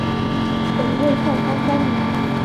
北魏孝昌三年。